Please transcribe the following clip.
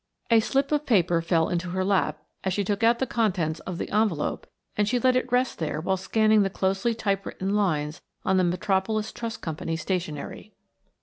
A slip of paper fell into her lap as she took out the contents of the envelope and she let it rest there while scanning the closely typewritten lines on the Metropolis Trust Company stationery.